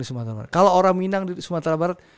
di sumatera barat kalau orang minang di sumatera barat